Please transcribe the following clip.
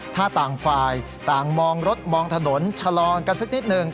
ถ้าต่างฝ่ายต่างมองรถมองถนนชะลอกันสักนิดหนึ่ง